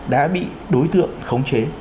đã bị đối tượng khống chế